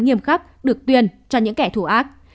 nghiêm khắc được tuyên cho những kẻ thù ác